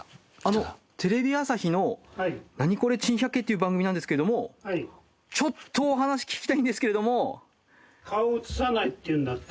テレビ朝日の『ナニコレ珍百景』っていう番組なんですけどもちょっとお話聞きたいんですけれども。